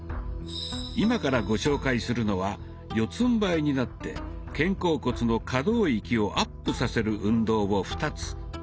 今からご紹介するのは四つんばいになって肩甲骨の可動域をアップさせる運動を２つ。